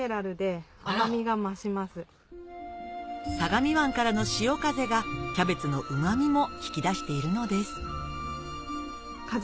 相模湾からの潮風がキャベツのうま味も引き出しているのですはぁ。